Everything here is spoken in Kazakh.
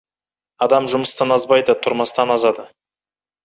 Адам жұмыстан азбайды, тұрмыстан азады.